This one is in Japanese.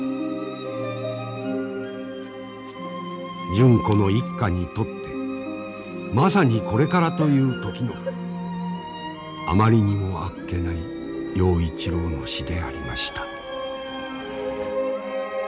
純子の一家にとってまさにこれからという時のあまりにもあっけない陽一郎の死でありました。